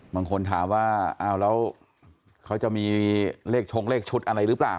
บางคนถามว่าอ้าวแล้วเขาจะมีเลขชงเลขชุดอะไรหรือเปล่า